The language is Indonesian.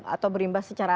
atau berimbas secara